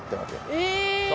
え。